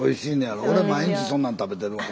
俺毎日そんなん食べてるわ。